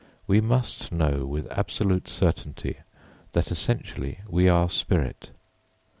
We must know with absolute certainty that essentially we are spirit.